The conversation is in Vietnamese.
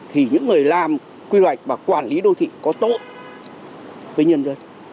thì những người làm quy hoạch và quản lý đô thị có tốt với nhân dân